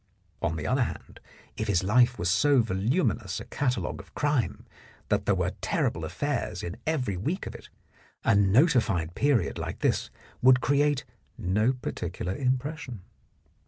On the other hand, if his life was so voluminous a catalogue of crime that there were terrible affairs in every week of it, a notified period like this would create no particular impression.